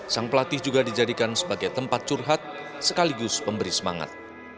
sang pelatih juga dijadikan sebagai tempat curhat sekaligus pemberi semangat